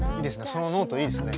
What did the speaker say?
そのノートいいですね。